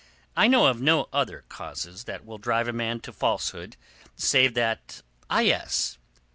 I know of no other causes that will drive a man to falsehood, save that—ah, yes!